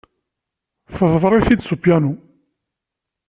Teḍfer-it-d s upyanu.